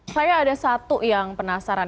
saya ada satu yang penasaran